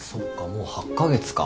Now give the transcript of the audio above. もう８カ月か。